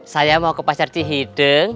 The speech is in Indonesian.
saya mau ke pasar cihideng